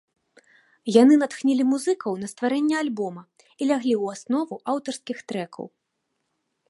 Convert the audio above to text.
Яны натхнілі музыкаў на стварэнне альбома і ляглі ў аснову аўтарскіх трэкаў.